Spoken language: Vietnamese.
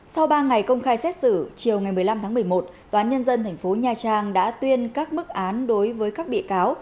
sau ba ngày công khai xét xử chiều ngày một mươi năm tháng một mươi một tòa án nhân dân tp nha trang đã tuyên các mức án đối với các bị cáo